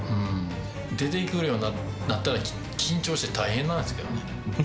出ていくようになったら、緊張して大変なんですけどね。